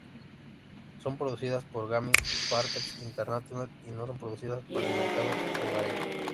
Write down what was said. Son producidas por Gaming Partners International y no son producidas para el mercado hogareño.